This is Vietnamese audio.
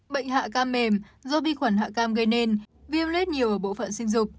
bệnh hạ cam mềm do vi khuẩn hạ cam gây nên viêm lết nhiều ở bộ phận sinh dục